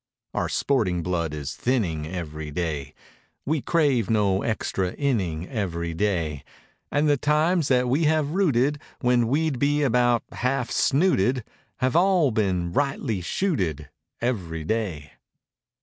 Our sporting blood is thinning Every day; We crave no extra inning Every day; And the times that we have rooted When we'd be about "half snooted" Have all been rightly chuted Every day.